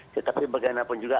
tetapi bagaimanapun juga